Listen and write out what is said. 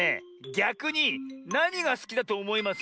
ぎゃくに「なにがすきだとおもいます？」